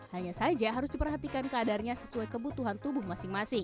hanya saja harus diperhatikan kadarnya sesuai kebutuhan tubuh masing masing